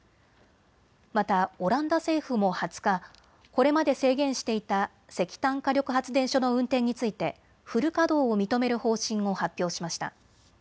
またオランダ政府も２０日、これまで制限していた石炭火力発電所の運転についてフル稼働を認める方針を発表しました。